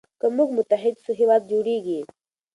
که موږ متحد سو هېواد جوړیږي.